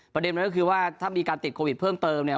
ประเด็นมันก็คือว่าถ้ามีการติดโควิดเพิ่มเติมเนี่ย